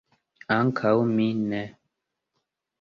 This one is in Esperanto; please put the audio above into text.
Ankaŭ mi ne.